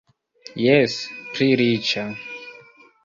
Jes, pli riĉa.